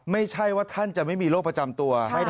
ไม่ใช่ว่าท่านจะไม่มีโรคประจำตัว